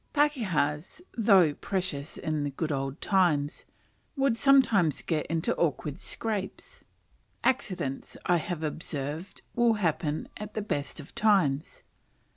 Pakehas, though precious in the good old times, would sometimes get into awkward scrapes. Accidents, I have observed, will happen at the best of times.